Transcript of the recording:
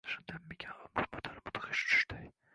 Shundanmikan umrim oʼtar mudhish tushday.